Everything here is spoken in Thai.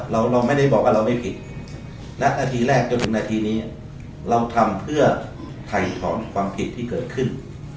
เราเราไม่ได้บอกว่าเราไม่ผิดนัดนาทีแรกจนถึงนาทีนี้เราทำเพื่อถ่ายถอนความผิดที่เกิดขึ้น